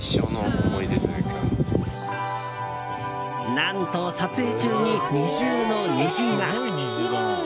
何と、撮影中に２重の虹が。